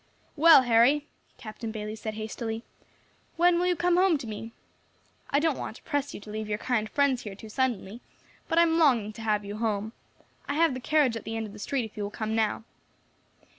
"Well, Harry," Captain Bayley said hastily, "when will you come home to me? I don't want to press you to leave your kind friends here too suddenly, but I am longing to have you home. I have the carriage at the end of the street if you will come now."